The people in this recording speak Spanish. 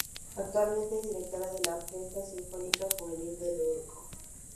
Actualmente es Directora de la Orquesta Sinfónica Juvenil de Oruro.